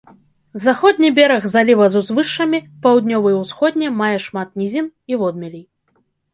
Заходні бераг заліва з узвышшамі, паўднёвы і ўсходні мае шмат нізін і водмелей.